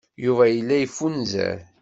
Yuba yella yeffunzer.